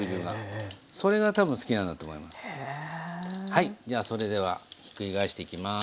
はいそれではひっくり返していきます。